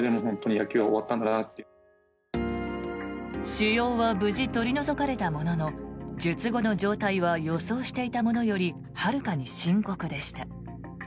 腫瘍は無事取り除かれたものの術後の状態は予想していたものよりはるかに深刻でした。